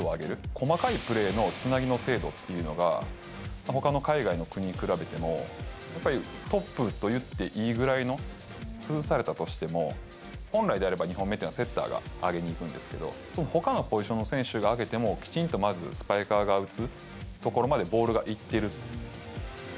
細かいプレーのつなぎの精度っていうのが、ほかの海外の国に比べても、トップといっていいぐらいの崩されたとしても、本来であれば２本目というのは、セッターが上げにいくんですけど、ほかのポジションの選手が上げても、きちんとまずスパイカーが打つところまでボールがいってる。